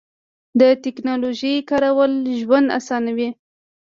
د تکنالوژۍ کارول ژوند اسانوي.